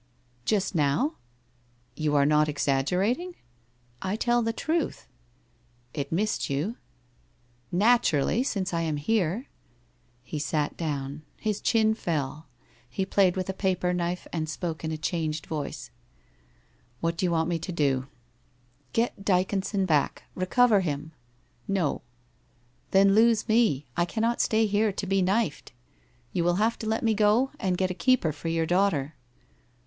' Just now.' 'You are not exaggerating?' I I tell the truth.' ' It missed you ?'' Naturally, since I am here.' He sat down. His chin fell. He played with a paper knife and spoke in a changed voice. ' What do you want me to do?' WHITE ROSE OF WEARY LEAF 127 i i Get Dyconson back. Recover him.' * No. 1 1 Then lose me. I cannot stay here to be knifed. You will have to let me go, and get a keeper for your daughter.'